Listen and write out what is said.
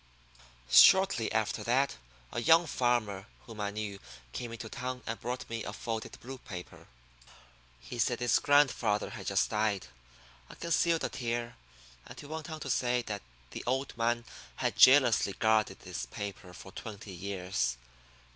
Shortly after that a young farmer whom I knew came into town and brought me a folded blue paper. He said his grandfather had just died. I concealed a tear, and he went on to say that the old man had jealously guarded this paper for twenty years.